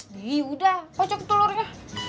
yaudah mocok telurnya